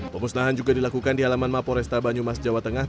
pemusnahan juga dilakukan di halaman mapores tabanyumas jawa tengah